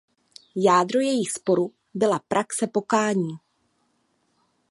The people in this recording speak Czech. Jádro jejich sporu byla praxe pokání.